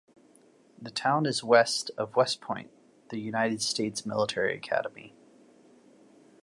The town is west of West Point, the United States Military Academy.